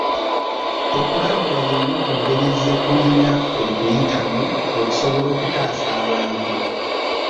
Okulabula y'emu ku ngeri ze tulina okuyitamu okusobola okutaasa abantu.